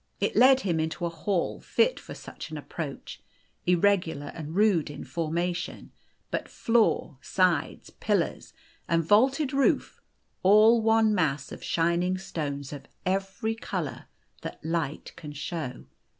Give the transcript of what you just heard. It led him into a hall fit for such an approach irregular and rude in formation, but floor, sides, pillars, and vaulted roof, all one mass of shining stones of every colour that light can show.